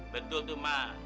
betul tuh mak